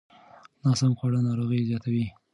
ناسم خواړه ناروغۍ زیاتوي.